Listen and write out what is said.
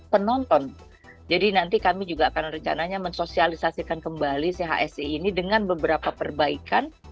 penonton jadi nanti kami juga akan rencananya mensosialisasikan kembali chse ini dengan beberapa perbaikan